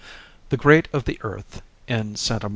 The great of the earth (in Sta.